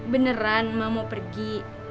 beneran emak mau pergi